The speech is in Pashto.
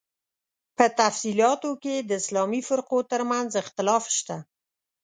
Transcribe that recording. په تفصیلاتو کې یې د اسلامي فرقو تر منځ اختلاف شته.